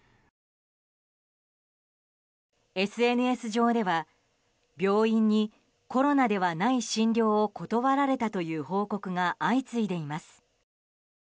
ＳＮＳ上では病院にコロナではない診療を断られたという報告が相次いでいます。